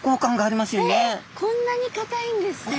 こんなにかたいんですね。